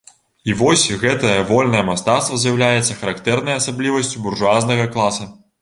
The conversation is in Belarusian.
І вось гэтае вольнае мастацтва з'яўляецца характэрнай асаблівасцю буржуазнага класа.